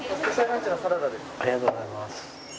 ありがとうございます。